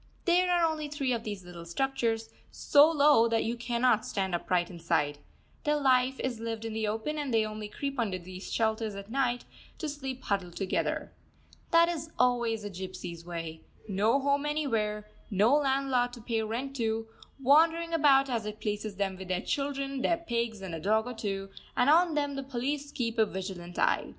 There are only three of these little structures, so low that you cannot stand upright inside. Their life is lived in the open, and they only creep under these shelters at night, to sleep huddled together. That is always the gypsies' way: no home anywhere, no landlord to pay rent to, wandering about as it pleases them with their children, their pigs, and a dog or two; and on them the police keep a vigilant eye.